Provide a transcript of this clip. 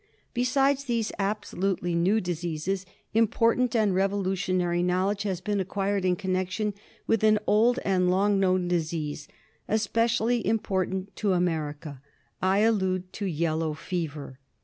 Besides these absolutely new diseases. io8 TRYPANOSOMIASIS. important and revolutionary knowledge has been acquired in connection with an old and long known disease, especially important to America ; I allude to Yellow ■ Fever.